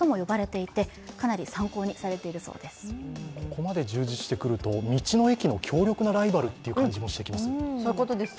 ここまで充実してくると、道の駅の強力なライバルという感じもしてきます。